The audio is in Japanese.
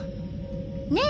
ねえ